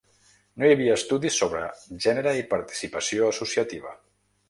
No hi havia estudis sobre gènere i participació associativa.